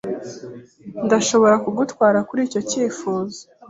Ndashobora kugutwara kuri icyo cyifuzo.